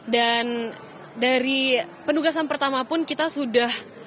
dan dari pendugasan pertama pun kita sudah